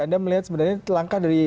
anda melihat sebenarnya langkah dari